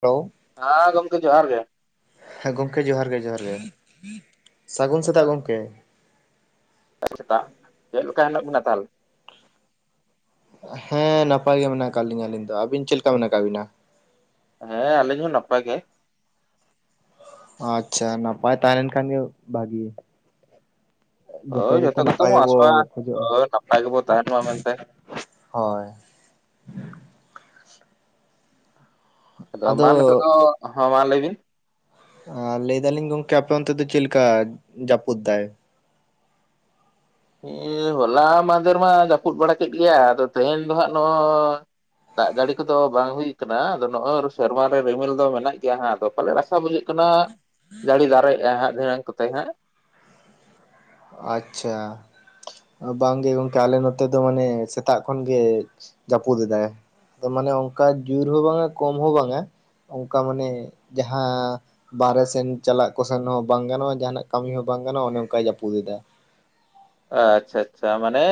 Hello ᱦᱮᱸ ᱜᱚᱢᱠᱮ ᱡᱚᱦᱟᱨ ᱜᱮ ᱾ ᱦᱮᱸ ᱜᱚᱢᱠᱮ ᱡᱚᱦᱟᱨ ᱜᱮ ᱡᱚᱦᱟᱨ ᱜᱮ ᱥᱟᱹᱜᱩᱱ ᱥᱮᱛᱟᱜ ᱜᱚᱢᱠᱮ ᱾ [unintelligible] ᱥᱮᱛᱟᱜ ᱪᱮᱫ ᱞᱮᱠᱟ ᱦᱮᱱᱟᱜ ᱵᱮᱱᱟ ᱛᱟᱦᱚᱞᱮ᱾ ᱦᱮᱸ ᱱᱟᱯᱟᱭ ᱜᱮ ᱢᱮᱱᱟᱜ ᱟᱠᱟᱫ ᱞᱤᱧᱟᱹ ᱟᱹᱞᱤᱧ ᱫᱚ, ᱟᱹᱵᱤᱱ ᱪᱮᱫ ᱞᱮᱠᱟ ᱢᱮᱱᱟᱜ ᱟᱠᱟᱫ ᱵᱤᱱᱟ? ᱦᱮᱸ ᱟᱹᱞᱤᱧ ᱦᱚᱸ ᱱᱟᱯᱟᱭ ᱜᱮ᱾ ᱟᱪᱪᱷᱟ ᱱᱟᱯᱟᱭ ᱛᱟᱦᱮᱸ ᱞᱮᱱ ᱠᱷᱟᱱ ᱜᱮ ᱵᱷᱟᱜᱤ ᱾ ᱦᱳᱭ ᱡᱚᱛᱚ ᱠᱚᱛᱮ ᱱᱟᱯᱟᱭ ᱵᱚᱱ ᱜᱮᱵᱚ ᱠᱷᱚᱡᱚᱜᱼᱟ ᱟᱥᱚᱜᱼᱟᱳᱭ ᱱᱟᱯᱟᱭ ᱜᱮᱵᱚ ᱛᱟᱦᱮᱱ ᱢᱟ ᱢᱮᱱᱛᱮ ᱾ ᱦᱳᱭ ᱾ ᱟᱫᱚ ᱢᱟ ᱱᱤᱛᱚᱜ ᱫᱚ, ᱦᱚᱸ ᱢᱟ ᱞᱟᱹᱭ ᱵᱤᱱ? ᱟᱨ ᱞᱟᱹᱭ ᱫᱟᱞᱤᱧ ᱜᱚᱝᱠᱮ ᱟᱯᱮ ᱚᱱᱛᱮ ᱫᱚ ᱪᱮᱫ ᱞᱮᱠᱟ ᱡᱟᱹᱯᱩᱫ ᱫᱟᱭ? ᱦᱮᱸ ᱦᱚᱞᱟ ᱢᱟᱫᱮᱨ ᱢᱟ ᱡᱟᱹᱯᱩᱫ ᱵᱟᱲᱟ ᱠᱮᱫ ᱜᱮᱭᱟ ᱟᱫᱚ ᱛᱮᱦᱮᱧ ᱫᱚ ᱦᱟᱜ ᱱᱚᱜᱼᱚᱭ ᱫᱟᱜ ᱡᱟᱹᱲᱤ ᱠᱚᱫᱚ ᱵᱟᱝ ᱦᱩᱭ ᱟᱠᱟᱱᱟ ᱟᱫᱚ ᱱᱚᱜᱼᱚᱭ ᱥᱮᱨᱢᱟ ᱨᱮ ᱨᱤᱢᱤᱞ ᱫᱚ ᱢᱮᱱᱟᱜ ᱜᱮᱭᱟ ᱟᱫᱚ ᱯᱟᱞ ᱨᱟᱥᱛᱟ ᱵᱩᱡᱷᱟᱹᱜ ᱠᱟᱱᱟ ᱡᱟᱹᱲᱤ ᱫᱟᱨᱮᱜᱼᱟ ᱦᱟᱸᱜ ᱫᱮᱱᱟᱝ ᱠᱟᱛᱮ ᱦᱟᱸᱜ ᱾ ᱟᱪᱪᱷᱟ ᱾ ᱵᱟᱝ ᱜᱮ ᱜᱚᱝᱠᱮ ᱟᱞᱮ ᱱᱚᱛᱮ ᱫᱚ ᱢᱟᱱᱮ ᱥᱮᱛᱟᱜ ᱠᱷᱚᱱ ᱜᱮ ᱡᱟᱹᱯᱩᱫ ᱮᱫᱟᱭ᱾ ᱛᱚ ᱢᱟᱱᱮ ᱚᱱᱠᱟ ᱡᱳᱨ ᱦᱚᱸ ᱵᱟᱝᱟ ᱠᱚᱢ ᱦᱚᱸ ᱵᱟᱝᱟ ᱚᱱᱠᱟ ᱢᱟᱱᱮ ᱡᱟᱦᱟᱸ ᱵᱟᱦᱨᱮ ᱥᱮᱱ ᱪᱟᱞᱟᱜ ᱠᱚᱥᱮᱱ ᱦᱚᱸ ᱵᱟᱝ ᱜᱟᱱᱚᱜᱼᱟ ᱡᱟᱦᱟᱱᱟᱜ ᱠᱟᱹᱢᱤ ᱦᱚᱸ ᱵᱟᱝ ᱜᱟᱱᱚᱜᱼᱟ ᱚᱱᱮ ᱚᱱᱠᱟᱭ ᱡᱟᱹᱯᱩᱫ ᱮᱫᱟ ᱾ ᱟᱪᱪᱷᱟ ᱟᱪᱪᱷᱟ ᱢᱟᱱᱮ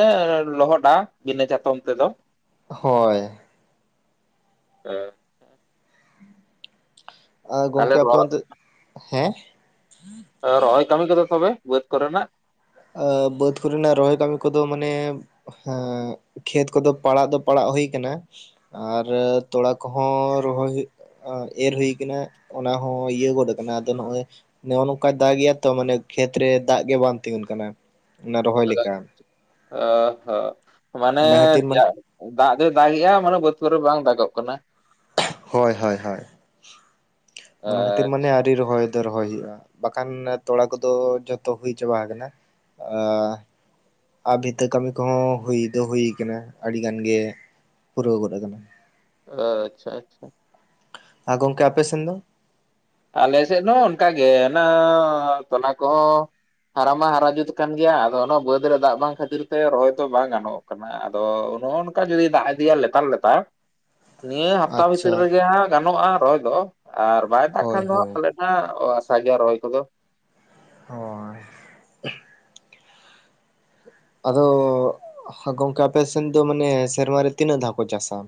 ᱞᱚᱦᱚᱫᱟ ᱵᱤᱱᱟᱹ ᱪᱟᱛᱚᱢ ᱛᱮᱫᱚ ᱾ ᱦᱳᱭ ᱾ ᱦᱮᱸ ᱟᱨ ᱛᱟᱦᱚᱞᱮ ᱜᱚᱝᱠᱮ ᱟᱯᱮ ᱨᱚᱦᱚᱭ ᱚᱱᱛᱮ, ᱦᱮᱸ ᱨᱚᱦᱚᱭ ᱠᱟᱹᱢᱤ ᱠᱟᱫᱚ ᱛᱚᱵᱮ ᱵᱟᱹᱫᱽ ᱠᱚ ᱨᱮᱱᱟᱜ᱾ ᱵᱟᱹᱫ ᱠᱚ ᱨᱮᱱᱟᱜ ᱨᱚᱦᱚᱭ ᱠᱟᱹᱢᱤ ᱠᱚᱫᱚ ᱢᱟᱱᱮ ᱦᱮᱸ ᱠᱷᱮᱛ ᱠᱚᱫᱚ ᱯᱟᱲᱟᱜ ᱫᱚ ᱯᱟᱲᱟᱜ ᱦᱩᱭ ᱠᱟᱱᱟ᱾ ᱟᱨ ᱛᱚᱲᱟ ᱠᱚᱦᱚᱸ ᱨᱚᱦᱚᱭ ᱦᱩᱭᱩᱜ ᱮᱨ ᱦᱩᱭ ᱠᱟᱱᱟ ᱚᱱᱟ ᱦᱚᱸ ᱤᱭᱟᱹ ᱜᱚᱫ ᱟᱠᱟᱱᱟ ᱟᱫᱚ ᱱᱚᱜᱼᱚᱭ ᱱᱚᱜᱼᱚ ᱱᱚᱝᱠᱟ ᱫᱟᱜ ᱜᱮᱭᱟ ᱛᱚ ᱢᱟᱱᱮ ᱠᱷᱮᱛᱨᱮ ᱫᱟᱜ ᱜᱮ ᱵᱟᱝ ᱛᱤᱸᱜᱩᱱ ᱠᱟᱱᱟ ᱚᱱᱟ ᱨᱚᱦᱚᱭ ᱞᱮᱠᱟ᱾ ᱚ ᱦᱚᱸ ᱢᱟᱱᱮ ᱚᱱᱟ ᱠᱷᱟᱹᱛᱤᱨ ᱢᱟᱱᱮ ᱫᱟᱜ ᱫᱚᱭ ᱫᱟᱜᱮᱜᱼᱟ ᱢᱟᱱᱮ ᱵᱟᱹᱫᱽ ᱯᱩᱨ ᱨᱮ ᱵᱟᱝ ᱫᱟᱜᱚᱜ ᱠᱟᱱᱟ᱾ ᱦᱳᱭ ᱦᱳᱭ ᱦᱳᱭ ᱾ ᱚᱱᱟ ᱠᱷᱟᱹᱛᱤᱨ ᱢᱟᱱᱮ ᱟᱪᱪᱷᱟ ᱟᱹᱣᱨᱤ ᱨᱚᱦᱚᱭ ᱫᱚ ᱨᱚᱦᱚᱭ ᱦᱩᱭᱩᱜᱼᱟ ᱵᱟᱠᱷᱟᱱ ᱛᱚᱲᱟ ᱠᱚᱫᱚ ᱡᱷᱚᱛᱚ ᱦᱩᱭ ᱪᱟᱵᱟ ᱟᱠᱟᱱᱟ᱾ ᱟᱨ ᱵᱷᱤᱛᱟᱹ ᱠᱟᱹᱢᱤ ᱠᱚᱦᱚᱸ ᱦᱩᱭ ᱫᱚ ᱦᱩᱭ ᱟᱠᱟᱱᱟ ᱟᱹᱰᱤ ᱜᱟᱱ ᱜᱮ ᱯᱩᱨᱟᱹᱣ ᱜᱚᱫ ᱟᱠᱟᱱᱟ᱾ ᱚ ᱟᱪᱪᱷᱟ ᱟᱪᱪᱷᱟ ᱾ ᱦᱸ ᱜᱚᱢᱠᱮ ᱟᱯᱮ ᱥᱮᱱ ᱫᱚ? ᱟᱞᱮ ᱥᱮᱫ ᱦᱚᱸ ᱚᱱᱠᱟᱜᱮ ᱚᱱᱟ ᱛᱚᱞᱟ ᱠᱚᱦᱚᱸ ᱦᱟᱨᱟ ᱢᱟ ᱦᱟᱨᱟ ᱡᱩᱛ ᱠᱟᱱ ᱜᱮᱭᱟ ᱟᱫᱚ ᱚᱱᱟ ᱵᱟᱹᱫᱽ ᱨᱮ ᱫᱟᱜ ᱵᱟᱝ ᱠᱷᱟᱹᱛᱤᱨ ᱛᱮ ᱨᱚᱦᱚᱭ ᱫᱚ ᱵᱟᱝ ᱜᱟᱱᱚᱜᱼᱟ᱾ ᱟᱫᱚ ᱱᱚᱜᱼᱚ ᱱᱚᱝᱠᱟ ᱡᱩᱫᱤ ᱫᱟᱜ ᱤᱫᱤᱭᱟ ᱞᱮᱛᱟᱲ-ᱞᱮᱛᱟᱲ ᱱᱤᱭᱟᱹ ᱦᱟᱯᱛᱟ ᱵᱷᱤᱛᱤᱨ ᱟᱪᱪᱷᱟ ᱨᱮᱜᱮ ᱦᱟᱸᱜ ᱜᱟᱱᱚᱜᱼᱟ ᱨᱚᱦᱚᱭ ᱫᱚ ᱟᱨ ᱵᱟᱭ ᱫᱟᱜ ᱦᱳᱭ ᱠᱷᱟᱱ ᱫᱚ ᱦᱟᱜ ᱦᱳᱭ ᱯᱟᱞᱮᱫ ᱦᱮ ᱥᱟᱸᱜᱮ ᱨᱚᱦᱚᱭ ᱠᱚᱫᱚ ᱦᱳᱭ ᱟᱫᱚ ᱜᱚᱝᱠᱮ ᱟᱯᱮᱥᱮᱫ ᱫᱚ ᱢᱟᱱᱮ ᱥᱮᱨᱢᱟᱨᱮ ᱛᱤᱱᱟᱹᱜ ᱫᱷᱟᱣ ᱠᱚ ᱪᱟᱥᱟ?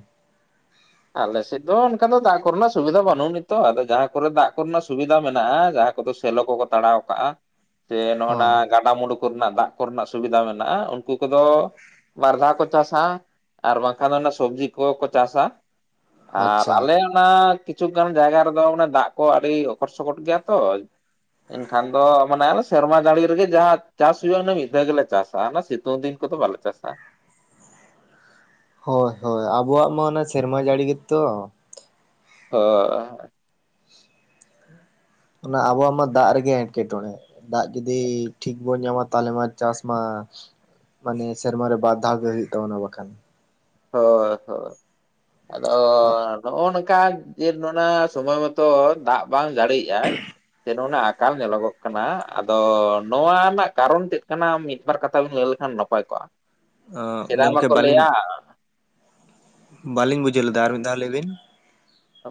ᱟᱞᱮᱥᱮᱫ ᱫᱚ ᱚᱱᱠᱟ ᱫᱚ ᱫᱟᱜᱽ ᱠᱚᱨᱮᱱᱟᱜ ᱥᱩᱵᱤᱫᱷᱟ ᱵᱟᱹᱱᱩᱜ ᱱᱤᱛᱚᱜ ᱟᱫᱚ ᱡᱟᱦᱟᱸ ᱠᱚᱨᱮ ᱫᱟᱜᱽ ᱠᱚᱨᱮᱱᱟᱜ ᱥᱩᱵᱤᱫᱟ ᱢᱮᱱᱟᱜᱼᱟ᱾ ᱫᱚ ᱥᱮᱞᱚ ᱠᱚᱠᱚ ᱛᱟᱲᱟᱣ ᱠᱟᱜᱼᱟ ᱥᱮ ᱱᱚᱜ ᱦᱚᱸ ᱱᱚᱭᱟ ᱜᱟᱰᱟᱼᱢᱩᱰᱩ ᱠᱚᱨᱮᱱᱟᱜ ᱫᱟᱜᱽ ᱠᱚᱨᱮᱱᱟᱜ ᱥᱩᱵᱤᱫᱷᱟ ᱢᱮᱱᱟᱜᱼᱟ ᱩᱱᱠᱩ ᱠᱚᱫᱚ ᱵᱟᱨ ᱫᱷᱟᱣ ᱠᱚ ᱪᱟᱥᱟ ᱟᱨ ᱵᱟᱝᱠᱷᱟᱱ ᱫᱚ ᱚᱱᱟ ᱥᱚᱵᱽᱡᱤ ᱠᱚᱠᱚ ᱪᱟᱥᱟ ᱟᱨ ᱟᱪᱪᱷᱟ ᱟᱞᱮ ᱚᱱᱟ ᱠᱤᱪᱷᱩ ᱜᱟᱱ ᱡᱟᱭᱜᱟ ᱨᱮᱫᱚ ᱫᱟᱜᱽ ᱠᱚ ᱟᱹᱰᱤ ᱚᱠᱚᱚᱴ- ᱥᱚᱠᱚᱴ ᱜᱮᱭᱟ ᱛᱚ ᱮᱱᱠᱷᱟᱱ ᱫᱚ ᱢᱟᱱᱮ ᱥᱮᱨᱢᱟ ᱡᱟᱹᱲᱤ ᱨᱮᱜᱮ ᱡᱟᱦᱟᱸ ᱪᱟᱥ ᱦᱩᱭᱩᱜᱼᱟ᱾ ᱢᱤᱫ ᱫᱷᱟᱣ ᱜᱮᱞᱮ ᱪᱟᱥᱟ ᱥᱤᱛᱩᱝ ᱫᱤᱱ ᱠᱚᱛᱚ ᱵᱟᱞᱮ ᱪᱟᱥᱟ᱾ ᱦᱳᱭ-ᱦᱳᱭ ᱟᱵᱚᱣᱟᱜ ᱢᱟ ᱚᱱᱟ ᱥᱮᱨᱢᱟ ᱡᱟᱹᱲᱤ ᱜᱮᱛᱚ ᱦᱳᱭ ᱚᱱᱟ ᱟᱵᱚᱣᱟᱜ ᱢᱟ ᱫᱟᱜᱽ ᱨᱮᱜᱮ ᱮᱸᱴᱠᱮ ᱴᱚᱬᱮ ᱫᱟᱜᱽ ᱡᱩᱫᱤ ᱴᱷᱤᱠ ᱵᱚᱱ ᱧᱟᱢᱟ ᱛᱟᱦᱚᱞᱮ ᱢᱟ ᱪᱟᱥ ᱢᱟ ᱢᱟᱱᱮ ᱥᱮᱨᱢᱟᱨ ᱨᱮ ᱵᱟᱨ ᱫᱷᱟᱣ ᱜᱮ ᱦᱳᱭᱩᱜ ᱛᱟᱵᱚᱱᱟ ᱵᱟᱠᱷᱟᱱ᱾ ᱦᱳᱭ-ᱦᱳᱭ ᱟᱫᱚ ᱱᱚᱜ ᱱᱚᱝᱠᱟ ᱡᱮ ᱱᱚᱣᱟ ᱥᱚᱢᱚᱭ ᱢᱚᱛᱚ ᱫᱟᱜᱽ ᱵᱟᱝ ᱡᱟᱹᱲᱤᱭ ᱮᱫᱟᱭ ᱡᱮ ᱱᱚᱜ-ᱚᱱᱟ ᱟᱠᱟᱞ ᱧᱮᱞᱚᱜᱚᱜ ᱠᱟᱱᱟ ᱟᱫᱚ ᱱᱚᱣᱟ ᱨᱮᱱᱟᱜ ᱠᱟᱨᱚᱱ ᱪᱮᱫ ᱠᱟᱱᱟ ᱢᱤᱫ ᱵᱟᱨ ᱠᱟᱛᱷᱟ ᱵᱮᱱ ᱞᱟᱹᱭ ᱞᱮᱠᱷᱟᱱ ᱱᱟᱯᱟᱭ ᱠᱚᱜᱼᱟ ᱚᱸ ᱥᱮᱫᱟᱭ ᱜᱚᱝᱠᱮ ᱢᱟᱠᱚ ᱵᱟᱹᱞᱤᱧ ᱞᱟᱹᱭᱟ᱾ ᱵᱟᱹᱞᱤᱧ ᱵᱩᱡᱷᱟᱹᱣ ᱞᱮᱫᱟ ᱟᱨ ᱢᱤᱫ ᱫᱷᱟᱣ‌ ᱞᱟᱹᱭ ᱵᱤᱱ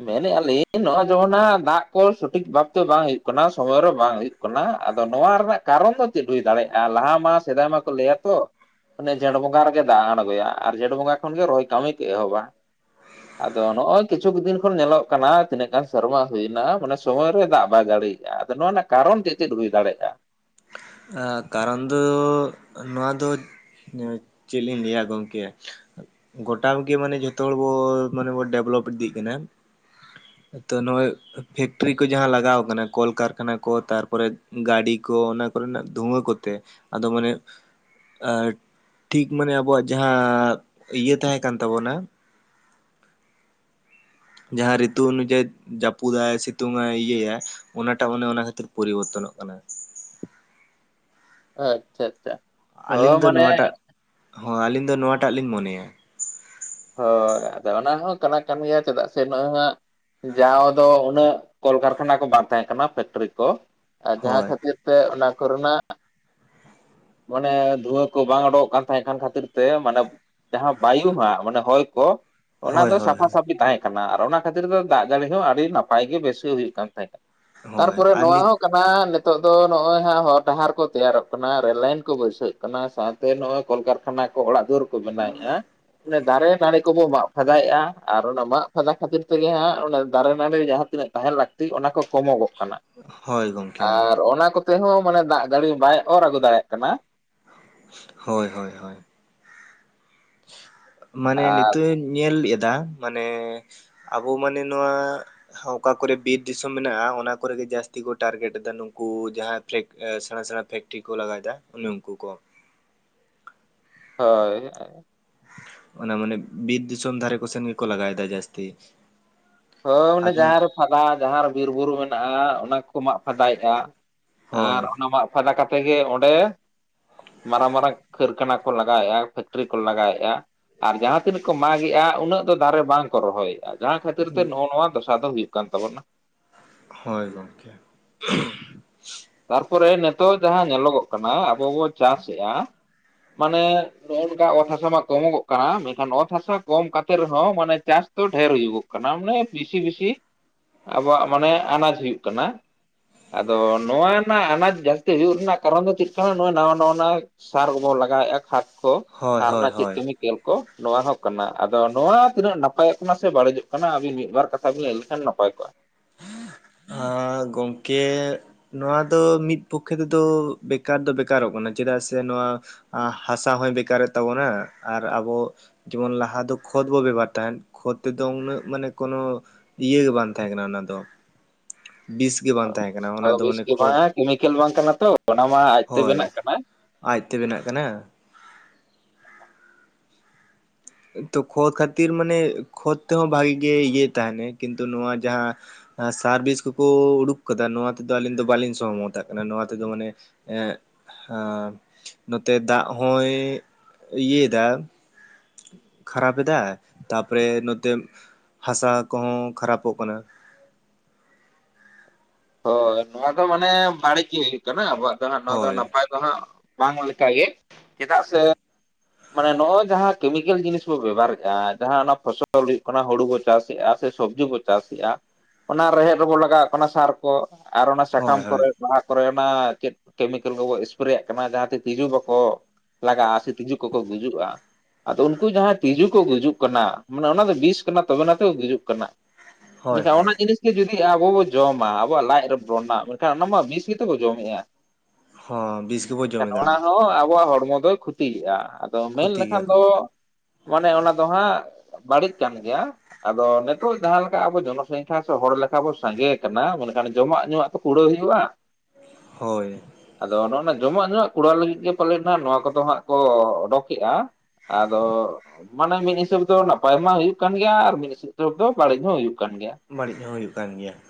ᱢᱮᱱᱮᱫ ᱟᱹᱞᱤᱧ ᱱᱚᱜᱼᱚᱭ ᱡᱮᱢᱚᱱ ᱱᱟᱜ ᱫᱟᱜᱽ ᱠᱚ ᱥᱚᱴᱷᱤᱠ ᱵᱷᱟᱵᱛᱮ ᱵᱟᱝ ᱦᱩᱭᱩᱜ ᱠᱟᱱᱟ ᱥᱚᱢᱚᱭ ᱨᱮ ᱵᱟᱝ ᱦᱩᱭᱩᱜ ᱠᱟᱱᱟ᱾ ᱚᱱᱟ ᱟᱫᱚ ᱱᱚᱣᱟ ᱨᱮᱱᱟᱜ ᱠᱟᱨᱚᱱ ᱫᱚ ᱪᱮᱫ ᱦᱩᱭ ᱫᱟᱲᱮᱭᱟᱜᱼᱟ ᱞᱟᱦᱟ ᱢᱟ ᱥᱮᱫᱟᱭ ᱢᱟᱠᱚ ᱞᱟᱹᱭᱟᱛᱚ ᱚᱱᱮ ᱡᱷᱮᱸᱴ ᱵᱚᱸᱜᱟ ᱨᱮᱜᱮ ᱫᱟᱜᱽ ᱟᱬᱜᱚᱭᱟ ᱟᱨ ᱡᱷᱮᱸᱴ ᱵᱚᱸᱜᱟ ᱠᱷᱚᱱ ᱜᱮ ᱨᱚᱦᱚᱭ ᱠᱟᱹᱢᱤ ᱠᱚ ᱮᱦᱚᱵᱟ᱾ ᱟᱫᱚ ᱱᱚᱜᱼᱚᱭ ᱠᱤᱪᱷᱩᱠ ᱫᱤᱱ ᱠᱷᱚᱱ ᱧᱮᱞᱚᱜ ᱠᱟᱱᱟ ᱛᱤᱱᱟᱹᱜ ᱜᱟᱱ ᱥᱮᱨᱢᱟ ᱦᱩᱭᱱᱟ ᱢᱟᱱᱮ ᱥᱚᱢᱚᱭ ᱨᱮ ᱫᱟᱜᱽ ᱵᱟᱭ ᱡᱟᱹᱲᱤᱭ ᱮᱫᱟ ᱟᱫᱚ ᱱᱚᱣᱟ ᱨᱮᱱᱟᱜ ᱠᱟᱨᱚᱱ ᱪᱮᱫ-ᱪᱮᱫ ᱦᱩᱭ ᱫᱟᱲᱮᱭᱟᱜᱼᱟ? ᱠᱟᱨᱚᱱ ᱫᱚ ᱱᱚᱣᱟ ᱫᱚ ᱪᱮᱫ ᱤᱧ ᱞᱟᱹᱭᱟ ᱜᱚᱢᱠᱮ ᱜᱚᱴᱟ ᱜᱮ ᱢᱟᱱᱮ ᱡᱚᱛᱚ ᱦᱚᱲ ᱵᱚ ᱢᱟᱱᱮ ᱵᱚ ᱰᱮᱵᱷᱞᱚᱯ ᱤᱫᱤᱜ ᱠᱟᱱᱟ᱾ ᱵᱟᱝ ᱟᱸᱡᱚᱢᱚᱜ ᱠᱟᱱᱟ ᱛᱚ ᱱᱚᱜᱚᱭ ᱯᱷᱮᱠᱴᱨᱤ ᱠᱚ ᱡᱟᱦᱟᱸ ᱞᱟᱜᱟᱣ ᱟᱠᱟᱱᱟ ᱠᱚᱞᱠᱟᱨᱠᱷᱟᱱᱟ ᱠᱚ ᱛᱟᱨᱯᱚᱨᱮ ᱜᱟᱹᱰᱤ ᱠᱚ ᱚᱱᱟ ᱱᱚᱣᱟ ᱠᱚᱨᱮ ᱱᱟᱜ ᱫᱷᱩᱣᱟᱹ ᱠᱚᱛᱮ ᱟᱫᱚ ᱢᱟᱱᱮ ᱴᱷᱤᱠ ᱢᱟᱱᱮ ᱟᱵᱚᱣᱟᱜ ᱡᱟᱦᱟᱸ ᱤᱭᱟᱹ ᱛᱟᱦᱮᱸ ᱠᱟᱱ ᱛᱟᱵᱚᱱᱟ ᱡᱟᱦᱟᱸ ᱨᱤᱛᱩ ᱚᱱᱩᱡᱟᱭᱤ ᱡᱟᱯᱩᱫᱟᱭ ᱥᱤᱛᱩᱝᱟᱭ ᱤᱭᱟᱹᱭᱟᱭ ᱚᱱᱟᱴᱟᱜ ᱚᱱᱮ ᱚᱱᱟ ᱠᱷᱟᱹᱛᱤᱨ ᱯᱚᱨᱤᱵᱚᱨᱛᱚᱱᱚᱜ ᱠᱟᱱᱟ᱾ ᱟᱪᱷᱟ-ᱟᱪᱷᱟ ᱟᱹᱞᱤᱧ ᱫᱚ ᱱᱚᱣᱟᱴᱟᱜ ᱦᱚᱸ ᱟᱹᱞᱤᱧ ᱫᱚ ᱱᱚᱣᱟᱴᱟᱜ ᱞᱤᱧ ᱢᱚᱱᱮᱭᱟ ᱦᱳᱭ ᱟᱫᱚ ᱚᱱᱟ ᱦᱚᱸ ᱠᱟᱱᱟ ᱠᱟᱱ ᱜᱮᱭᱟ ᱪᱮᱫᱟᱜ ᱥᱮ ᱵᱟᱝ ᱦᱟᱸᱜ ᱡᱟᱦᱟᱸ ᱫᱚ ᱩᱱᱟᱹᱜ ᱠᱚᱞᱠᱟᱨᱠᱷᱟᱱᱟ ᱠᱚ ᱵᱟᱝ ᱛᱟᱦᱮᱸ ᱠᱟᱱᱟ ᱯᱷᱮᱠᱴᱨᱤ ᱠᱚ ᱟᱨ ᱡᱟᱦᱟᱸ ᱦᱳᱭ ᱠᱷᱟᱹᱛᱤᱨ ᱛᱮ ᱚᱱᱟ ᱠᱚᱨᱮ ᱱᱟᱜ ᱢᱟᱱᱮ ᱫᱷᱩᱣᱟᱹ ᱠᱚ ᱵᱟᱝ ᱩᱰᱩᱠᱚᱜ ᱠᱟᱱ ᱛᱟᱦᱮᱸ ᱠᱟᱱ ᱠᱷᱟᱹᱛᱤᱨ ᱛᱮ ᱢᱟᱱᱮ ᱡᱟᱦᱟᱸ ᱵᱟᱭᱩ ᱦᱟᱸᱜ ᱢᱟᱱᱮ ᱦᱚᱭ ᱠᱚ ᱚᱱᱟ ᱦᱳᱭ ᱫᱚ ᱦᱳᱭ ᱦᱳᱭ ᱥᱟᱯᱷᱟ-ᱥᱟᱹᱯᱷᱤ ᱛᱟᱦᱮᱸ ᱠᱟᱱᱟ ᱟᱨ ᱚᱱᱟ ᱠᱷᱟᱹᱛᱤᱨ ᱛᱮ ᱫᱟᱜᱽ ᱡᱟᱹᱲᱤ ᱦᱚᱸ ᱟᱹᱰᱤ ᱱᱟᱯᱟᱭ ᱜᱮ ᱵᱮᱥ ᱜᱤ ᱦᱩᱭᱩᱜ ᱠᱟᱱ ᱛᱟᱦᱮᱸᱫᱼᱟ ᱦᱳᱭ ᱛᱟᱨᱯᱚᱨᱮ ᱟᱨ ᱱᱚᱣᱟ ᱱᱤᱛ ᱦᱚᱸ ᱠᱟᱱᱟ ᱱᱤᱛᱚᱜ ᱫᱚ ᱱᱚᱜ-ᱚᱭ ᱦᱟᱸᱜ ᱦᱚᱨ ᱰᱟᱦᱟᱨ ᱠᱚ ᱛᱮᱭᱟᱨᱚᱜ ᱠᱟᱱᱟ ᱨᱮᱹᱞ ᱞᱟᱭᱤᱱ ᱠᱚ ᱵᱟᱹᱭᱥᱟᱹᱜ ᱠᱟᱱᱟ ᱛᱮ ᱱᱚᱜ-ᱚᱭ ᱠᱚᱞᱠᱟᱨᱠᱷᱟᱱᱟ ᱠᱚ ᱚᱲᱟᱜ ᱫᱩᱣᱟᱹᱨ ᱠᱚ ᱵᱮᱱᱟᱣᱮᱫ-ᱟ ᱚᱱᱮ ᱫᱟᱨᱮ ᱫᱟᱨᱮ ᱱᱟᱹᱲᱤ ᱠᱚᱵᱚ ᱢᱟᱜ ᱯᱷᱟᱫᱟᱭᱮᱫ-ᱟ ᱟᱨ ᱚᱱᱟ ᱢᱟᱜ ᱯᱷᱟᱸᱫᱟ ᱠᱷᱟᱹᱛᱤᱨ ᱛᱮᱜᱮ ᱦᱟᱸᱜ ᱚᱱᱟ ᱫᱟᱨᱮ ᱱᱟᱹᱲᱤ ᱡᱟᱦᱟᱸ ᱛᱤᱱᱟᱹᱜ ᱛᱟᱦᱮᱱ ᱞᱟᱹᱠᱛᱤ ᱚᱱᱟ ᱠᱚ ᱠᱚᱢᱚᱜᱚᱜ ᱠᱟᱱᱟ ᱦᱳᱭ ᱜᱚᱢᱠᱮ ᱟᱨ ᱚᱱᱟ ᱠᱚ ᱛᱮᱦᱚᱸ ᱢᱟᱱᱮ ᱫᱟᱜᱽ ᱡᱟᱹᱲᱤ ᱵᱟᱭ ᱚᱨ ᱟᱹᱜᱩ ᱫᱟᱲᱮᱭᱟᱜ ᱠᱟᱱᱟ ᱦᱳᱭ ᱦᱳᱭ ᱦᱳᱭ ᱢᱟᱱᱮ ᱟᱨ ᱱᱤᱛᱚᱜ ᱧᱮᱞ ᱮᱫᱟ ᱢᱟᱱᱮ ᱟᱵᱚ ᱢᱟᱱᱮ ᱱᱚᱣᱟ ᱚᱠᱟ ᱠᱚᱨᱮ ᱵᱤᱨ ᱫᱤᱥᱚᱢ ᱢᱮᱱᱟᱜ-ᱟ ᱚᱱᱟ ᱠᱚᱨᱮ ᱜᱮ ᱡᱟᱹᱥᱛᱤ ᱠᱚ ᱴᱟᱨᱜᱮᱴ ᱮᱫᱟ ᱱᱩᱠᱩ ᱡᱟᱦᱟᱸ ᱯᱮᱨᱠ ᱮ ᱥᱮᱬᱟ ᱥᱮᱬᱟ ᱯᱷᱮᱠᱴᱨᱤ ᱠᱚ ᱞᱟᱜᱟᱣᱮᱫᱟ ᱩᱱ ᱩᱱᱠᱩ ᱠᱚ ᱦᱳᱭ ᱚᱱᱟ ᱢᱟᱱᱮ ᱵᱤᱨ ᱫᱤᱥᱚᱢ ᱫᱷᱟᱨᱮ ᱠᱚ ᱥᱮᱱ ᱜᱮᱠᱚ ᱞᱟᱜᱟᱣᱮᱫᱟ ᱡᱟᱹᱥᱛᱤ ᱦᱳᱭ ᱚᱱᱮ ᱡᱟᱦᱟᱸ ᱟᱫᱚ ᱨᱮ ᱯᱷᱟᱫᱟ ᱡᱟᱦᱟᱸ ᱨᱮ ᱵᱤᱨ ᱵᱩᱨᱩ ᱢᱮᱱᱟᱜ-ᱟ ᱚᱱᱟ ᱠᱚᱠᱚ ᱢᱟᱜ ᱯᱷᱟᱫᱟᱭᱮᱫ-ᱟ ᱟᱨ ᱦᱳᱭ ᱚᱱᱟ ᱢᱟᱜ ᱯᱷᱟᱫᱟ ᱠᱟᱛᱮᱫ ᱜᱮ ᱚᱸᱰᱮ ᱢᱟᱨᱟᱝ ᱢᱟᱨᱟᱝ ᱠᱟᱹᱨᱠᱷᱟᱱᱟ ᱠᱚ ᱞᱟᱜᱟᱣᱮᱫ-ᱟ ᱯᱷᱮᱠᱴᱨᱤ ᱠᱚ ᱞᱟᱜᱟᱣᱮᱫ-ᱟ ᱟᱨ ᱡᱟᱦᱟᱸ ᱛᱤᱱᱟᱹᱜ ᱠᱚ ᱢᱟᱜᱮᱫ-ᱟ ᱩᱱᱟᱹᱜ ᱫᱚ ᱫᱟᱨᱮ ᱵᱟᱝ ᱠᱚ ᱨᱚᱦᱚᱭᱮᱫ-ᱟ ᱡᱟᱦᱟᱸ ᱠᱷᱟᱹᱤᱨ ᱱᱚᱜ-ᱚ ᱱᱚᱣᱟ ᱫᱚᱥᱟ ᱫᱚ ᱦᱩᱭᱩᱜ ᱠᱟᱱ ᱛᱟᱵᱚᱱᱟ ᱦᱳᱭ ᱜᱚᱢᱠᱮ ᱛᱟᱨᱯᱚᱨᱮ ᱱᱤᱛᱚᱜ ᱡᱟᱦᱟᱸ ᱧᱮᱞᱚᱜᱚᱜ ᱠᱟᱱᱟ ᱟᱵᱚ ᱵᱚ ᱪᱟᱥ ᱮᱟ ᱢᱟᱱᱮ ᱱᱚᱜ-ᱚᱭ ᱱᱚᱝᱠᱟ ᱚᱛ ᱦᱟᱥᱟ ᱢᱟ ᱠᱚᱢᱚᱜᱚᱜ ᱠᱟᱱᱟ ᱢᱮᱱᱠᱷᱟᱱ ᱚᱛ ᱦᱟᱥᱟ ᱠᱚᱢ ᱠᱟᱛᱮᱜ ᱨᱮᱦᱚᱸ ᱢᱟᱱᱮ ᱪᱟᱥ ᱛᱚ ᱰᱷᱮᱨ ᱦᱩᱭᱩᱜᱚᱜ ᱠᱟᱱᱟ ᱢᱟᱱᱮ ᱵᱮᱥᱤ ᱵᱮᱥᱤ ᱟᱵᱚᱣᱟᱜ ᱢᱟᱱᱮ ᱟᱱᱟᱡ ᱦᱩᱭᱩᱜ ᱠᱟᱱᱟ᱾ ᱟᱫᱚ ᱱᱚᱣᱟ ᱨᱮᱱᱟᱜ ᱟᱱᱟᱡ ᱡᱟᱹᱥᱛᱤ ᱦᱩᱭᱩᱜ ᱨᱮᱱᱟᱜ ᱠᱟᱨᱚᱱ ᱫᱚ ᱪᱮᱫ ᱠᱟᱱᱟ ᱱᱚᱣᱟ ᱱᱟᱣᱟ ᱱᱟᱣᱟᱱᱟᱜ ᱥᱟᱨ ᱠᱚᱵᱚ ᱞᱟᱜᱟᱣᱮᱫ-ᱟ ᱠᱷᱟᱫ ᱠᱚ ᱦᱳᱭ ᱟᱨᱚᱱᱟ ᱦᱳᱭ ᱨᱮᱱᱟᱜ ᱪᱮᱫ ᱦᱳᱭ ᱠᱟᱹᱢᱤ ᱠᱮᱞ ᱠᱚ ᱱᱚᱣᱟ ᱦᱚᱸ ᱠᱟᱱᱟ ᱟᱫᱚ ᱱᱚᱣᱟ ᱛᱤᱱᱟᱹᱜ ᱱᱟᱯᱟᱭᱚᱜ ᱠᱟᱱᱟ ᱥᱮ ᱵᱟᱹᱲᱤᱡᱚᱜ ᱠᱟᱱᱟ ᱟᱹᱵᱤᱱ ᱢᱤᱫ ᱵᱟᱨ ᱠᱟᱛᱷᱟ ᱠᱷᱟᱛᱟ ᱵᱤᱱ ᱞᱟᱹᱭ ᱞᱮᱠᱷᱟᱱ ᱱᱟᱯᱟᱭ ᱠᱚᱣᱟ ᱟᱻ ᱜᱚᱢᱠᱮ ᱱᱚᱣᱟ ᱫᱚ ᱢᱤᱫ ᱯᱚᱠᱠᱷᱮ ᱛᱮᱫᱚ ᱵᱮᱠᱟᱨ ᱫᱚ ᱵᱮᱠᱟᱨᱚᱜ ᱠᱟᱱᱟ ᱪᱮᱫᱟᱜ ᱥᱮ ᱱᱚᱣᱟ ᱦᱟᱥᱟ ᱦᱚᱭ ᱵᱮᱠᱟᱨᱮᱫ ᱛᱟᱵᱚᱱᱟ ᱟᱨ ᱟᱵᱚ ᱡᱮᱢᱚᱱ ᱞᱟᱦᱟ ᱫᱚ ᱠᱷᱚᱛ ᱵᱚ ᱵᱮᱵᱟᱨ ᱛᱟᱦᱮᱱ ᱠᱷᱚᱛ ᱛᱮᱫᱚ ᱩᱱᱟᱹᱜ ᱢᱟᱱᱮ ᱠᱚᱱᱚ ᱤᱭᱟᱹ ᱜᱮ ᱵᱟᱝ ᱛᱟᱦᱮᱸ ᱠᱟᱱᱟ ᱚᱱᱟ ᱫᱚ ᱵᱤᱥ ᱜᱮ ᱵᱟᱝ ᱛᱟᱦᱮᱸ ᱠᱟᱱᱟ ᱚᱱᱟ ᱟᱫᱚ ᱫᱚ ᱵᱮᱥ ᱢᱟᱱᱮ ᱜᱮ ᱠᱷᱚᱛ ᱵᱟᱝ ᱠᱮᱢᱤᱠᱮᱞ ᱵᱟᱝ ᱠᱟᱱᱟ ᱛᱚ ᱚᱱᱟ ᱢᱟ ᱟᱡᱛᱮ ᱦᱳᱭ ᱵᱮᱱᱟᱜ ᱠᱟᱱᱟ ᱟᱡᱛᱮ ᱵᱮᱱᱟᱜ ᱠᱟᱱᱟ ᱛᱚ ᱠᱷᱚᱛ ᱠᱷᱟᱹᱛᱤᱨ ᱢᱟᱱᱮ ᱠᱷᱚᱛ ᱛᱮᱦᱚᱸ ᱵᱷᱟᱜᱤ ᱜᱮ ᱤᱭᱟᱹᱭ ᱛᱟᱦᱮᱱᱟ ᱠᱤᱱᱛᱩ ᱱᱚᱣᱟ ᱡᱟᱦᱟᱸ ᱥᱟᱨᱵᱷᱤᱥ ᱠᱚᱠᱚ ᱩᱰᱩᱠ ᱠᱟᱫᱟ ᱱᱚᱣᱟ ᱛᱮᱫᱚ ᱟᱹᱞᱤᱧ ᱫᱚ ᱵᱟᱹᱞᱤᱧ ᱥᱚᱦᱚᱢᱚᱛᱟᱜ ᱠᱟᱱᱟ ᱱᱚᱣᱟ ᱛᱮᱫᱚ ᱢᱟᱱᱮ ᱱᱚᱛᱮ ᱫᱟᱜ ᱦᱚᱸᱭ ᱤᱭᱟᱹᱮᱫᱟ ᱠᱷᱟᱨᱟᱯᱮᱫᱟᱭ ᱛᱟᱯᱚᱨᱮ ᱱᱚᱛᱮ ᱦᱟᱥᱟ ᱠᱚᱦᱚᱸ ᱠᱷᱟᱨᱟᱯᱚᱜ ᱠᱟᱱᱟ ᱦᱳᱭ ᱱᱚᱣᱟ ᱫᱚ ᱢᱟᱱᱮ ᱵᱟᱹᱲᱤᱡ ᱜᱮ ᱦᱩᱭᱩᱜ ᱠᱟᱱᱟ ᱟᱵᱚᱣᱟᱜ ᱫᱚ ᱦᱟᱜ ᱱᱚᱣᱟ ᱫᱚ ᱦᱳᱭ ᱱᱟᱯᱟᱭ ᱫᱚ ᱦᱟᱸᱜ ᱵᱟᱝ ᱞᱮᱠᱟᱜᱮ ᱪᱮᱫᱟᱜ ᱥᱮ ᱢᱟᱱᱮ ᱱᱚᱜ-ᱚᱭ ᱡᱟᱦᱟᱸ ᱠᱮᱢᱤᱠᱮᱞ ᱡᱤᱱᱤᱥ ᱵᱚ ᱵᱮᱵᱚᱦᱟᱨᱮᱫ-ᱟ ᱡᱟᱦᱟᱸ ᱚᱱᱟ ᱯᱷᱚᱥᱚᱞ ᱦᱩᱭᱩᱜ ᱠᱟᱱᱟ ᱦᱩᱲᱩ ᱪᱟᱥᱮ-ᱼᱟ ᱥᱮ ᱥᱚᱵᱡᱤ ᱵᱚ ᱪᱟᱥᱮᱫ-ᱟ ᱚᱱᱟ ᱨᱮᱦᱮᱫ ᱨᱮᱵᱚ ᱞᱟᱜᱟᱣᱟᱜ ᱠᱟᱱᱟ ᱥᱟᱨ ᱠᱚ ᱟᱨ ᱚᱱᱟ ᱥᱟᱠᱟᱢ ᱦᱳᱭ ᱦᱳᱭ ᱠᱚᱨᱮ ᱵᱟᱦᱟ ᱠᱚᱨᱮ ᱚᱱᱟ ᱪᱮᱫ ᱠᱮᱢᱤᱠᱮᱞ ᱠᱚᱠᱚ ᱮᱥᱯᱮᱨᱮᱭᱟᱜ ᱠᱟᱱᱟ ᱡᱟᱦᱟᱸᱛᱮ ᱛᱸᱤᱡᱩ ᱵᱟᱠᱚ ᱞᱟᱜᱟᱜ-ᱟ ᱥᱮ ᱛᱸᱤᱡᱩ ᱠᱚᱠᱚ ᱜᱩᱡᱩᱜ-ᱟ ᱟᱫᱚ ᱩᱱᱠᱩ ᱡᱟᱦᱟᱸᱭ ᱛᱤᱡᱩ ᱠᱚ ᱜᱩᱡᱩᱜ ᱠᱟᱱᱟ ᱢᱟᱱᱮ ᱚᱱᱟ ᱫᱚ ᱵᱤᱥ ᱠᱟᱱᱟ ᱛᱚᱵᱮᱱᱟᱛᱮ ᱠᱚ ᱜᱩᱡᱩᱜ ᱠᱟᱱᱟ ᱦᱳᱭ ᱢᱮᱱᱱᱠᱷᱟᱱ ᱦᱳᱭ ᱚᱱᱟ ᱡᱤᱱᱤᱥ ᱜᱮ ᱡᱩᱫᱤ ᱟᱵᱚ ᱵᱚᱱ ᱡᱚᱢᱟ ᱟᱵᱚᱣᱟᱜ ᱞᱟᱡ ᱨᱮ ᱨᱚᱲᱱᱟ ᱢᱮᱱᱠᱷᱟᱱ ᱚᱱᱟᱢᱟ ᱵᱤᱥ ᱜᱮᱛᱚ ᱠᱚ ᱡᱚᱢᱮᱜ-ᱟ ᱦᱚᱸ ᱵᱤᱥ ᱜᱮᱵᱚ ᱡᱚᱢᱮᱫᱟ ᱚᱱᱟ ᱦᱚᱸ ᱟᱵᱚᱣᱟᱜ ᱦᱚᱲᱢᱚ ᱫᱚᱭ ᱠᱷᱩᱛ ᱛᱤᱭᱨᱜᱼᱟ ᱟᱫᱚ ᱢᱮᱱ ᱠᱷᱚᱛᱤ ᱜᱮᱭᱟ ᱞᱮᱠᱷᱟᱱ ᱠᱚ ᱫᱚ ᱢᱟᱱᱮ ᱚᱱᱟ ᱫᱚ ᱦᱟᱸᱜ ᱵᱟᱹᱲᱤᱡ ᱠᱟᱱ ᱜᱮᱭᱟ ᱾ ᱟᱫᱚ ᱱᱤᱛᱚᱜ ᱡᱟᱦᱟᱸ ᱞᱮᱠᱟ ᱟᱵᱚ ᱡᱚᱱᱚ ᱥᱚᱝᱠᱷᱟ ᱥᱮ ᱦᱚᱲ ᱞᱮᱠᱟ ᱵᱚ ᱥᱟᱸᱜᱮ ᱠᱟᱱᱟ ᱢᱟᱱᱮ ᱠᱷᱟᱱ ᱡᱚᱢᱟᱜ ᱧᱩᱣᱟᱜ ᱛᱚ ᱠᱩᱲᱟᱹᱣ ᱦᱩᱭᱩᱜᱼᱟ ᱾ ᱦᱳᱭ ᱾ ᱟᱫᱚ ᱱᱚᱜᱼᱚ ᱱᱚᱣᱟ ᱡᱚᱢᱟᱜ ᱧᱩᱣᱟᱜ ᱠᱚᱲᱟᱟᱣ ᱞᱟᱹᱜᱤᱫ ᱜᱮ ᱯᱟᱞᱮᱫ ᱱᱟᱜ ᱱᱚᱣᱟ ᱠᱚᱫᱚ ᱦᱟᱸᱜ ᱠᱚ ᱚᱰᱚᱠᱮᱜᱼᱟ ᱾ ᱟᱫᱚ ᱢᱟᱱᱮ ᱢᱤᱫ ᱦᱤᱥᱟᱹᱵ ᱫᱚ ᱱᱟᱯᱟᱭ ᱢᱟ ᱦᱩᱭᱩᱜ ᱠᱟᱱ ᱜᱮᱭᱟ, ᱟᱨ ᱢᱤᱫ ᱦᱤᱥᱟᱹᱵ ᱫᱚ ᱵᱟᱹᱲᱤᱡ ᱦᱚᱸ ᱦᱩᱭᱩᱜ ᱠᱟᱱ ᱜᱮᱭᱟ ᱾ ᱵᱟᱹᱲᱤᱡ ᱦᱚᱸ ᱦᱩᱭᱩᱜ ᱠᱟᱱ ᱜᱮᱭᱟ ᱾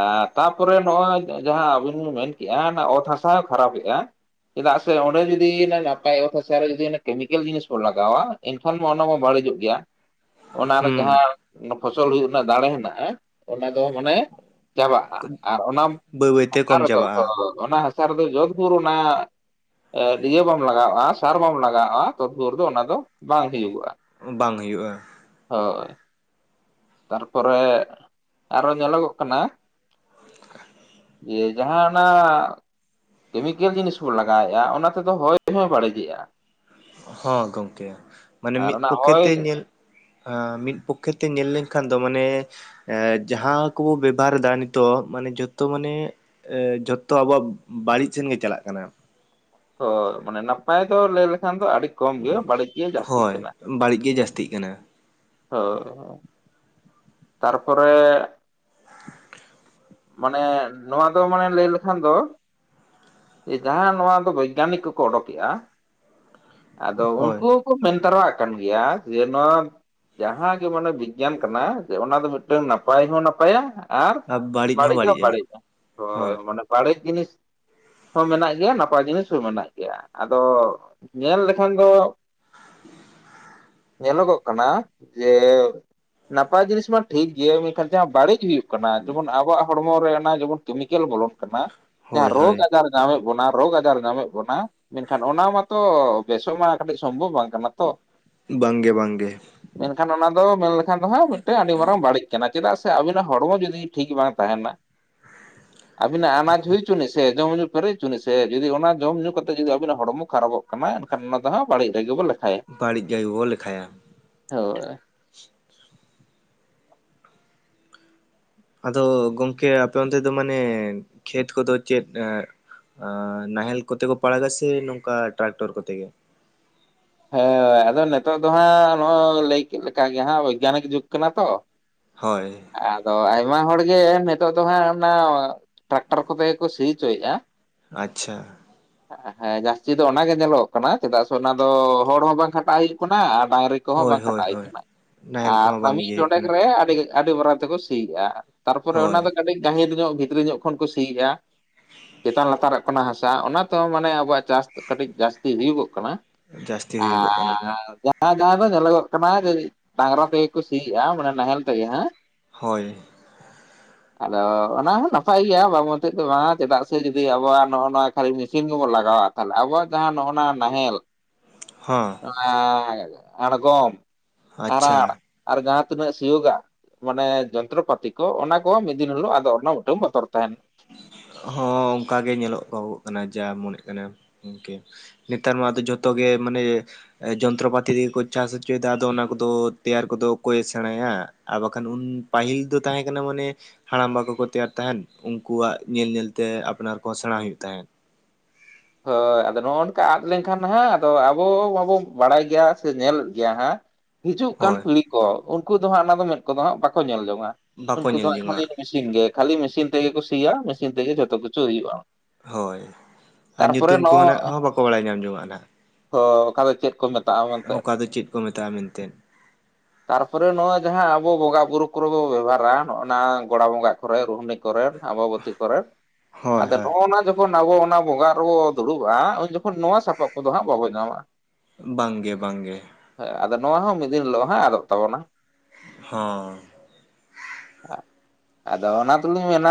ᱮᱸ ᱛᱟᱯᱚᱨᱮ ᱱᱚᱜᱼᱚᱭ ᱡᱟᱦᱟᱸ ᱟᱵᱤᱱ ᱵᱤᱱ ᱢᱮᱱ ᱠᱮᱜᱼᱟ ᱚᱱᱟ ᱚᱛ ᱦᱟᱥᱟ ᱦᱚᱸ ᱠᱷᱟᱨᱟᱯᱮᱜᱼᱟ ᱾ ᱪᱮᱫᱟᱜ ᱥᱮ ᱚᱸᱰᱮ ᱡᱚᱫᱤ ᱱᱟᱯᱟᱭ ᱚᱛ ᱦᱟᱥᱟ ᱨᱮ ᱡᱩᱫᱤ ᱚᱱᱮ ᱠᱮᱢᱤᱠᱮᱞ ᱡᱤᱱᱤᱥ ᱵᱚᱱ ᱞᱟᱜᱟᱣᱟ ᱮᱱᱠᱷᱟᱱ ᱢᱟ ᱚᱱᱟ ᱢᱟ ᱵᱟᱹᱲᱤᱡᱚᱜ ᱜᱮᱭᱟ ᱾ ᱚᱱᱟ ᱨᱮ ᱦᱩᱸ ᱡᱟᱦᱟᱸ ᱯᱷᱚᱥᱚᱞ ᱦᱩᱭᱩᱜ ᱨᱮᱱᱟᱜ ᱫᱟᱲᱮ ᱦᱮᱱᱟᱜᱼᱟ ᱚᱱᱟ ᱫᱚ ᱢᱟᱱᱮ ᱪᱟᱵᱟᱜᱼᱟ ᱾ ᱟᱨ ᱚᱱᱟ, ᱵᱟᱹᱭ ᱵᱟᱹᱭᱛᱮ ᱚᱱᱟ ᱠᱚᱢ ᱨᱮᱫᱚ ᱪᱟᱵᱟᱜᱼᱟ ᱚᱱᱟ ᱦᱟᱥᱟ ᱨᱮᱫᱚ ᱡᱚᱛ ᱵᱷᱳᱨ ᱚᱱᱟ ᱮᱸᱫ ᱤᱭᱟᱹ ᱵᱟᱢ ᱞᱟᱜᱟᱣᱼᱟ ᱥᱟᱨ ᱵᱟᱢ ᱞᱟᱜᱟᱣᱼᱟ ᱛᱚᱛ ᱵᱷᱳᱨ ᱫᱚ ᱚᱱᱟ ᱫᱚ ᱵᱟᱝ ᱦᱩᱭᱩᱜᱚᱜᱼᱟ ᱾ ᱵᱟᱝ ᱦᱩᱭᱩᱜᱼᱟ ᱾ ᱦᱳᱭ, ᱛᱟᱨᱯᱚᱨᱮ ᱟᱨᱚ ᱧᱮᱞᱚ ᱜᱚᱜ ᱠᱟᱱᱟ [unintelligible] ᱤᱭᱟᱹ ᱡᱟᱦᱟᱸ ᱚᱱᱟ ᱠᱮᱢᱤᱠᱮᱞ ᱡᱤᱱᱤᱥ ᱵᱚᱱ ᱞᱟᱜᱟᱣ ᱮᱫᱼᱟ ᱚᱱᱟ ᱛᱮ ᱫᱚ ᱦᱚᱭ ᱦᱚᱸᱭ ᱵᱟᱹᱲᱤᱡ ᱮᱜᱼᱟ ᱾ ᱦᱚᱸ ᱜᱚᱝᱠᱮ ᱢᱟᱱᱮ ᱟᱨ ᱢᱤᱫ ᱚᱱᱟ ᱯᱚᱠᱠᱷᱮ ᱦᱚᱭ ᱛᱮ ᱧᱮᱞ ᱦᱟᱸ ᱢᱤᱫ ᱯᱚᱠᱠᱷᱮ ᱛᱮ ᱧᱮᱞ ᱞᱮᱱ ᱠᱷᱟᱱ ᱫᱚ ᱢᱟᱱᱮ ᱮᱸ ᱡᱟᱦᱟᱸ ᱠᱚ ᱵᱚ ᱵᱮᱵᱷᱟᱨ ᱮᱫᱟ ᱱᱤᱛᱚᱜ ᱢᱟᱱᱮ ᱡᱷᱚᱛᱚ ᱢᱟᱱᱮ ᱡᱷᱚᱛᱚ ᱟᱵᱚᱣᱟᱜ ᱵᱟᱹᱲᱤᱡ ᱥᱮᱱ ᱜᱮ ᱪᱟᱞᱟᱜ ᱠᱟᱱᱟ ᱾ ᱦᱳ ᱢᱟᱱᱮ ᱱᱟᱯᱟᱭ ᱫᱚ ᱞᱟᱹᱭ ᱞᱮᱠᱷᱟᱱ ᱫᱚ ᱟᱹᱰᱤ ᱠᱚᱢ ᱜᱮ ᱵᱟᱹᱲᱤᱡ ᱜᱮ ᱡᱟᱹᱥᱛᱤᱜ ᱦᱳᱭ ᱠᱟᱱᱟ ᱾ ᱵᱟᱹᱲᱤᱡ ᱜᱮ ᱡᱟᱹᱥᱛᱤᱜ ᱠᱟᱱᱟ ᱾ ᱦᱳᱻ ᱾ ᱛᱟᱨ ᱯᱚᱨᱮ ᱢᱟᱱᱮ ᱱᱚᱣᱟ ᱫᱚ ᱢᱟᱱᱮ ᱞᱟᱹᱭ ᱞᱮ ᱠᱷᱟᱱ ᱫᱚ ᱡᱟᱦᱟᱸ ᱱᱚᱣᱟ ᱫᱚ ᱵᱳᱭᱜᱟᱱᱤᱠ ᱠᱚ ᱠᱚ ᱚᱰᱚᱠᱮᱫᱼᱟ, ᱟᱫᱚ ᱦᱳᱭ ᱩᱱᱠᱩ ᱢᱮᱱ ᱛᱟᱨᱟᱣᱟᱜ ᱠᱟᱱ ᱜᱮᱭᱟ ᱡᱮ ᱱᱚᱣᱟ ᱡᱟᱦᱟᱸ ᱜᱮ ᱢᱟᱱᱮ ᱵᱤᱜᱽᱜᱟᱱ ᱠᱟᱱᱟ ᱚᱱᱟ ᱫᱚ ᱢᱤᱫ ᱴᱟᱝ ᱱᱟᱯᱟᱭ ᱦᱚᱸ ᱱᱟᱯᱟᱭᱟ ᱟᱨ ᱵᱟᱹᱲᱤᱡ ᱦᱚ ᱵᱟᱹᱲᱤᱡ-ᱟ, ᱦᱳᱭ ᱢᱟᱱᱮ ᱵᱟᱹᱲᱤᱡ ᱡᱤᱱᱤᱥ ᱦᱚᱸ ᱢᱮᱱᱟᱜ ᱜᱮᱭᱟ ᱱᱟᱯᱟᱭ ᱡᱤᱱᱤᱥ ᱦᱚᱸ ᱢᱮᱱᱟᱜ ᱜᱮᱭᱟ ᱾ ᱟᱫᱚ ᱧᱮᱞ ᱞᱮᱠᱷᱟᱱ ᱫᱚ [inaudible] ᱧᱮᱞᱚ ᱜᱚᱜ ᱠᱟᱱᱟ ᱡᱮ ᱱᱟᱯᱟᱭ ᱡᱤᱱᱤᱥ ᱢᱟ ᱴᱷᱤᱠ ᱜᱮᱭᱟ ᱢᱮᱱ ᱠᱷᱟᱱ ᱡᱟᱦᱟ ᱵᱟᱲᱤᱡ ᱦᱩᱭᱩᱜ ᱠᱟᱱᱟ ᱡᱮᱢᱚᱱ ᱟᱵᱚᱣᱟᱜ ᱦᱚᱲ ᱢᱚ ᱨᱮ ᱚᱱᱟ ᱡᱮᱢᱚᱱ ᱠᱮᱢᱤᱠᱮᱞ ᱵᱚᱞᱚᱱ ᱠᱟᱱᱟ ᱡᱟᱦᱟᱸ ᱦᱳᱭ ᱨᱳᱜᱽ ᱦᱳᱭ ᱟᱡᱟᱨ ᱧᱟᱢ ᱮᱫ ᱵᱚᱱᱟ ᱨᱳᱜᱽ ᱟᱡᱟᱨ ᱧᱟᱢᱮᱫ ᱵᱚᱱᱟ ᱢᱮᱱ ᱠᱷᱟᱱ ᱚᱱᱟ ᱢᱟᱛᱚ ᱵᱮᱥᱚᱜ ᱢᱟ ᱠᱟᱹᱴᱤᱡ ᱥᱚᱢ ᱵᱷᱚᱵ ᱵᱟᱝ ᱠᱟᱱᱟ ᱾ ᱵᱟᱝ ᱜᱮ ᱵᱟᱝ ᱜᱮ ᱾ ᱢᱮᱱᱠᱷᱟᱱ ᱚᱱᱟ ᱫᱚ ᱢᱮᱱ ᱞᱮᱠᱷᱟᱱ ᱫᱚ ᱦᱟᱸᱜ ᱢᱤᱫᱴᱟᱹᱝ ᱟᱹᱰᱤ ᱢᱟᱨᱟᱝ ᱵᱟᱹᱲᱤᱡ ᱠᱟᱱᱟ ᱪᱮᱫᱟᱜ ᱥᱮ ᱟᱹᱵᱤ ᱱᱟᱜ ᱦᱚᱲ ᱢᱚ ᱡᱩᱫᱤ ᱴᱷᱤᱠ ᱵᱟᱝ [unintelligible] ᱛᱟᱦᱮᱱᱟ ᱟᱹᱵᱤᱱᱟᱜ ᱟᱱᱟᱡ ᱦᱩᱭ ᱦᱚᱪᱚ ᱱᱤᱡ ᱥᱮ ᱡᱚᱢᱼ ᱧᱩ ᱯᱮᱨᱮᱡ ᱦᱚᱪᱚ ᱱᱤᱡ ᱥᱮ ᱡᱩᱫᱤ ᱚᱱᱟ ᱡᱚᱢ ᱧᱩ ᱠᱟᱛᱮ ᱡᱩᱫᱤ ᱟᱵᱤᱱᱟᱜ ᱦᱚᱲ ᱢᱚ ᱠᱷᱟᱨᱟᱯᱚᱜ ᱠᱟᱱᱟ ᱮᱱᱠᱷᱟᱱ ᱚᱱᱟ ᱫᱚᱸ ᱦᱟᱜ ᱵᱟᱹᱲᱤᱡ ᱨᱮᱜᱮ ᱵᱚ ᱞᱮᱠ ᱵᱟᱹᱲᱤᱡ ᱜᱮᱭ ᱵᱚ ᱞᱮᱠᱷᱟᱭᱟ ᱾ [unintelligible] ᱟᱫᱚ ᱜᱚᱝᱠᱮ ᱟᱯᱮ ᱚᱱ ᱛᱮ ᱫᱚ ᱢᱟᱱᱮ ᱠᱷᱮᱛ ᱠᱚ ᱫᱚ ᱪᱮᱫ ᱮ ᱟᱻ ᱱᱟᱦᱮᱞ ᱠᱚᱛᱮ ᱠᱚ ᱯᱟᱲᱟᱜᱟ ᱥᱮ ᱱᱚᱝ-ᱠᱟ ᱴᱨᱟᱠᱴᱚᱨ ᱠᱚ ᱛᱮ ᱜᱮ? ᱦᱮᱸ ᱟᱫᱚ ᱱᱮᱛᱚᱜ ᱫᱚ ᱦᱟᱸᱜ ᱱᱚᱜ ᱞᱟᱹᱭ ᱠᱮᱫ ᱞᱮᱠᱟ ᱜᱮ ᱦᱟᱜ ᱵᱳᱭᱜᱟᱱᱤᱠ ᱡᱩᱜᱽ ᱠᱟᱱᱟ ᱛᱚ᱾ ᱦᱳᱭ, ᱟᱫᱚ ᱟᱭᱢᱟ ᱦᱚᱲ ᱜᱮ ᱱᱮᱛᱚᱜ ᱫᱚ ᱦᱟᱸᱜ ᱚᱱᱟ ᱴᱟᱨᱠᱴᱟᱨ ᱠᱚ ᱛᱮ ᱜᱮᱠᱚ ᱥᱤ ᱦᱚᱪᱚᱭ-ᱮᱟ᱾ ᱟᱪᱪᱷᱟ᱾ ᱦᱮᱸ ᱡᱟᱹᱥᱛᱤ ᱫᱚ ᱚᱱᱟᱜ ᱜᱮ ᱧᱮᱞᱚᱜ ᱠᱟᱱᱟ ᱪᱮᱫᱟᱜ ᱥᱮ ᱚᱱᱟ ᱫᱚ ᱦᱚᱲ ᱦᱚᱸ ᱵᱟᱝ ᱠᱷᱟᱴᱟᱜ ᱟᱭ ᱟᱨ ᱰᱟᱝᱨᱤ ᱠᱚ ᱦᱚᱸ ᱦᱳᱭ ᱵᱟᱝ ᱦᱳᱭ ᱠᱷᱟᱸᱰᱟᱣ ᱦᱩᱭᱩᱜ ᱦᱳᱭ ᱠᱟᱱᱟ ᱱᱟᱦᱮᱞ ᱟᱨ ᱠᱚᱦᱚᱸ ᱚᱱᱟ ᱵᱟᱝ ᱢᱤᱫ ᱤᱭᱟᱹ ᱦᱩᱭᱩᱜ ᱰᱚᱰᱮᱠ ᱠᱟᱱᱟ ᱨᱮ ᱟᱹᱰᱤ ᱟᱹᱰᱤ ᱢᱟᱨᱟᱝ ᱛᱮ ᱠᱚ ᱥᱤᱭᱮᱫᱼᱟ ᱛᱟᱨ ᱯᱚᱨᱮ ᱚᱱᱟ ᱦᱳᱭ ᱫᱚ ᱠᱟᱹᱴᱤᱡ ᱜᱟᱹᱦᱤᱨ ᱧᱚᱜ ᱵᱷᱤᱛᱨᱤ ᱧᱚᱜ ᱠᱷᱚᱱ ᱠᱚ ᱥᱤᱭᱮᱫᱼᱟ ᱪᱮᱛᱟᱱ ᱞᱟᱛᱟ ᱨᱚᱜ ᱠᱟᱱᱟ ᱦᱟᱥᱟ ᱚᱱᱟ ᱛᱮ ᱦᱚᱸ ᱢᱟᱱᱮ ᱟᱵᱚᱣᱟᱜ ᱪᱟᱥ ᱠᱟᱹᱴᱤᱡ ᱡᱟᱹᱥᱛᱤ ᱦᱩᱭᱩ ᱜᱚᱜ ᱠᱟᱱᱟ᱾ ᱡᱟᱹᱥᱛᱤ ᱦᱩᱭᱩᱜᱚᱜ ᱠᱟᱱᱟ [unintelligible] ᱡᱟᱦᱟᱭ ᱡᱟᱦᱟᱭ ᱫᱚ ᱧᱮᱞ ᱜᱚᱜ ᱠᱟᱱᱟ ᱡᱮ ᱰᱟᱝᱨᱟ ᱛᱮ ᱜᱮ ᱠᱚ ᱥᱤᱮ-ᱟ ᱢᱟᱱᱮ ᱱᱟᱦᱮᱞ ᱛᱮ ᱜᱮ ᱦᱟᱜ᱾ ᱦᱳᱭ [inaudible] ᱟᱫᱚ ᱚᱱᱟ ᱦᱚᱸ ᱱᱟᱯᱟᱭ ᱜᱮᱭᱟ ᱵᱟᱝ ᱢᱚᱛᱮᱫ ᱫᱚ ᱵᱟᱝ-ᱟ ᱪᱮᱫᱟᱜ ᱥᱮ ᱡᱩᱫᱤ ᱟᱵᱚᱣᱟᱜ ᱱᱚᱜ ᱱᱚᱣᱟ ᱠᱷᱟᱹᱞᱤ ᱢᱮᱥᱤᱱ ᱜᱮ ᱵᱚᱱ ᱞᱟᱜᱟᱣᱟ, ᱛᱟᱦᱞᱮ ᱟᱵᱚ ᱣᱟᱜ ᱡᱟᱦᱟᱸ ᱱᱚᱜᱼᱱᱟ ᱱᱟᱦᱮᱞ ᱦᱚᱸ ᱟᱬᱜᱚᱢ ᱟᱪᱪᱷᱟ ᱟᱨᱟᱲ ᱟᱨ ᱡᱟᱦᱟᱸ ᱛᱤᱱᱟᱹᱜ ᱥᱤᱭᱳᱜ-ᱟᱜ ᱢᱟᱱᱮ ᱡᱚᱱᱛᱨᱚᱯᱟᱛᱤ ᱠᱚ ᱚᱱᱟ ᱠᱚ ᱢᱤᱫ ᱫᱤᱱ ᱦᱤᱞᱳᱜ ᱟᱫᱚ ᱚᱱᱚ ᱢᱤᱫᱴᱟᱹᱝ ᱵᱚᱛᱚᱨ ᱛᱟᱦᱮᱱᱟ᱾ ᱦᱚᱸ ᱚᱝᱠᱟᱜᱮ ᱧᱮᱞᱚᱜᱚᱜ [unintelligible] ᱠᱟᱱᱟ ᱡᱟ ᱢᱚᱱᱮ ᱠᱟᱱᱮᱢ ᱤᱱᱠᱟᱹ ᱱᱮᱛᱟᱨ ᱢᱟ ᱟᱫᱚ ᱡᱚᱛᱚ ᱜᱮ ᱢᱟᱱᱮ ᱮ ᱡᱚᱱᱛᱨᱚᱯᱟᱛᱤ ᱛᱮᱜᱮ ᱠᱚ ᱪᱟᱥ ᱦᱚᱪᱚᱭᱮᱫᱟ ᱟᱫᱚ ᱚᱱᱟ ᱠᱚᱫᱚ ᱛᱮᱭᱟᱨ ᱠᱚᱫᱚ ᱠᱚᱠᱚᱭᱮ ᱥᱮᱬᱟᱭᱟ᱾ ᱟᱨ ᱵᱟᱠᱷᱟᱱ ᱩᱱ ᱯᱟᱹᱦᱤᱞ ᱫᱚ ᱛᱟᱦᱮᱸ ᱠᱟᱱᱟ ᱢᱚᱱᱮ ᱦᱟᱲᱟᱢ ᱵᱟ ᱠᱚᱠᱚ ᱛᱮᱭᱟᱨ ᱛᱟᱦᱮᱫ ᱩᱱᱠᱩᱣᱟᱜ ᱧᱮᱞ ᱧᱮᱞ ᱛᱮ ᱟᱯᱱᱟᱨ ᱠᱚᱦᱚᱸ ᱥᱮᱬᱟ ᱦᱩᱭᱩᱜ ᱛᱟᱦᱮᱸᱫ᱾ ᱦᱳᱭ ᱟᱫᱚ ᱱᱚᱜ-ᱚ ᱱᱚᱝᱠᱟ ᱟᱫ ᱞᱮᱱᱠᱷᱟᱱ ᱦᱟᱜ ᱟᱫᱚ ᱟᱵᱚ ᱢᱟᱵᱚᱱ ᱵᱟᱲᱟᱭ ᱜᱮᱭᱟ ᱥᱮ ᱧᱮᱞᱮᱫ ᱜᱮᱭᱟ ᱦᱟᱸᱜ ᱦᱤᱡᱩᱜ ᱠᱟᱱ ᱦᱳᱭ ᱯᱤᱲᱦᱤ ᱠᱚ ᱩᱱᱠᱩ ᱫᱚ ᱦᱟᱸᱜ ᱚᱱᱟ ᱫᱚ ᱢᱮᱫ ᱠᱚᱫᱚ ᱦᱟᱸᱜ ᱵᱟᱠᱚ ᱧᱮᱞ ᱡᱚᱝᱟ ᱵᱟᱠᱚ ᱩᱱᱠᱩ ᱫᱚ ᱧᱮᱞ ᱦᱟᱸᱜ ᱠᱷᱟᱹᱞᱤ ᱡᱚᱝᱟᱜ ᱴᱷᱤᱠ ᱜᱮ ᱠᱷᱟᱞᱤ ᱢᱮᱥᱤᱱ ᱛᱮᱜᱮ ᱠᱚ ᱥᱤᱭᱟ ᱢᱮᱥᱤᱱ ᱛᱮᱜᱮ ᱡᱚᱛᱚ ᱠᱤᱪᱷᱩ ᱦᱩᱭᱩᱜ-ᱟ᱾ ᱦᱳᱭ ᱟᱨ ᱧᱩᱛᱩᱢ ᱠᱚᱦᱚᱸ ᱱᱚᱜ ᱱᱟᱜ ᱦᱚᱸ ᱵᱟᱠᱚ ᱵᱟᱲᱟᱭ ᱧᱟᱢ ᱡᱚᱝ-ᱟ ᱱᱟᱜ᱾ ᱦᱚ ᱚᱠᱟ ᱫᱚ ᱪᱮᱫ ᱠᱚ ᱢᱮᱛᱟᱜ-ᱟ ᱢᱮᱱᱛᱮ ᱚᱠᱟ ᱫᱚ ᱪᱮᱫ ᱠᱚ ᱢᱮᱛᱟᱜᱼᱟ ᱢᱮᱱᱛᱮ ᱛᱟᱨᱯᱚᱨᱮ ᱱᱚᱜ-ᱚᱭ ᱡᱟᱦᱟᱸ ᱟᱵᱚ ᱵᱚᱸᱜᱟ ᱵᱩᱨᱩ ᱠᱚᱨᱮ ᱵᱚ ᱵᱮᱵᱚᱦᱟᱨᱟ ᱱᱚᱜ-ᱚᱱᱟ ᱜᱚᱲᱟ ᱵᱚᱸᱜᱟ ᱨᱮ ᱨᱩᱦᱱᱤ ᱠᱚᱨᱮᱱ ᱟᱵᱟᱵᱚᱛᱤ ᱠᱚᱨᱮᱱ ᱦᱳᱭ ᱟᱫᱚ ᱦᱳᱭ ᱱᱚᱜ-ᱚᱱᱟ ᱡᱚᱠᱷᱚᱱ ᱟᱵᱚ ᱚᱱᱟ ᱵᱚᱸᱜᱟ ᱨᱮᱵᱚ ᱫᱩᱲᱩᱵ-ᱟ ᱩᱱ ᱡᱚᱠᱷᱚᱱ ᱱᱚᱣᱟ ᱥᱟᱯᱟᱵ ᱠᱚᱫᱚ ᱦᱟᱸᱜ ᱵᱟᱵᱚ ᱧᱟᱢᱼᱟᱸ᱾ ᱵᱟᱝ ᱜᱮ ᱵᱟᱝ ᱜᱮ᱾ ᱦᱮᱸ ᱟᱫᱚ ᱱᱚᱣᱟ ᱦᱚᱸ ᱢᱤᱫ ᱫᱤᱱ ᱦᱤᱞᱳᱜ ᱦᱟᱸᱜ ᱟᱫᱚᱜ ᱛᱟᱵᱚᱱᱟ᱾ ᱦᱚᱸ ᱟᱫᱚ ᱚᱱᱟ ᱛᱤᱞᱤᱧ ᱢᱮᱱᱟ